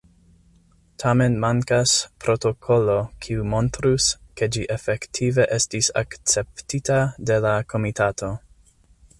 Tamen mankas protokolo kiu montrus, ke ĝi efektive estis akceptita de la komitato.